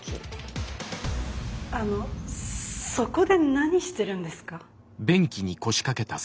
あのそこで何してるんですか？